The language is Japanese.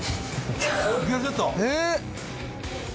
えっ！